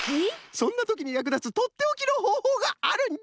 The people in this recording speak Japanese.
そんなときにやくだつとっておきのほうほうがあるんじゃ！